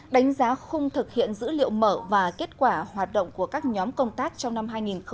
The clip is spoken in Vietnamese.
đánh giá khung thực hiện dữ liệu mở và kết quả hoạt động của các nhóm công tác trong năm hai nghìn hai mươi